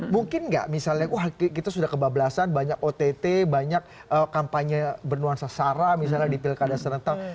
mungkin nggak misalnya wah kita sudah kebablasan banyak ott banyak kampanye bernuansa sara misalnya di pilkada serentak